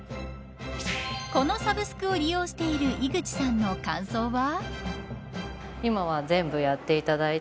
このサブスクを利用している井口さんの感想は。